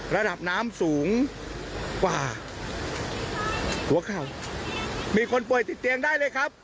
ระดับน้ำสูงกว่าหัวเข่ามีคนป่วยติดเตียงได้เลยครับ